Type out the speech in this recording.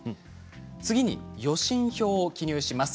次に予診票を記入します。